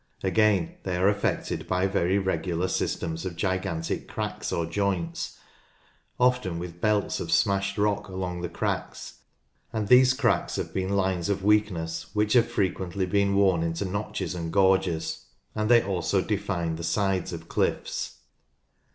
Again, they are affected by very regular systems of gigantic cracks or joints, often with belts of smashed rock along the cracks, and these cracks have been lines of weakness which have frequently been worn into notches and gorges, and they also define the sides of cliffs.